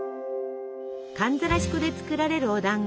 寒ざらし粉で作られるおだんご。